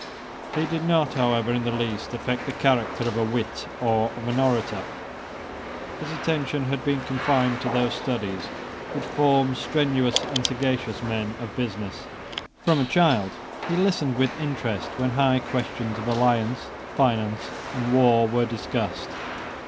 He did not, however, in the least affect the character of a wit or of an orator. His attention had been confined to those studies which form strenuous and sagacious men of business. From a child he listened with interest when high questions of alliance, finance, and war were discussed.